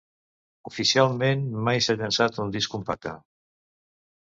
Oficialment mai s'ha llançat en disc compacte.